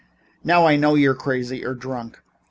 "Now I know you're crazy or drunk.